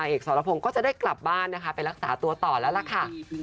เอกสรพงศ์ก็จะได้กลับบ้านนะคะไปรักษาตัวต่อแล้วล่ะค่ะ